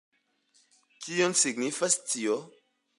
Kion signifis tio?